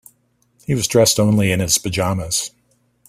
He was dressed only in his pajamas.